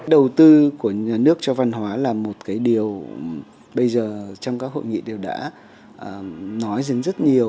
đầu tư của nhà nước cho văn hóa là một cái điều bây giờ trong các hội nghị đều đã nói dính rất nhiều